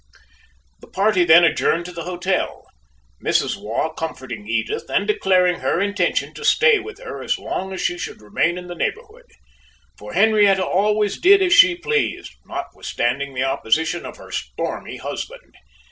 The party then adjourned to the hotel. Mrs. Waugh comforting Edith, and declaring her intention to stay with her as long as she should remain in the neighborhood for Henrietta always did as she pleased, notwithstanding the opposition of her stormy husband.